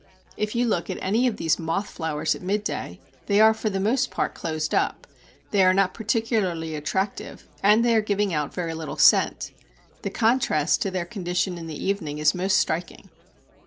If you look at any of these moth flowers at mid day, they are for the most part closed up, they are not particularly attractive, and they are giving out very little scent. The contrast to their condition in the evening is most striking.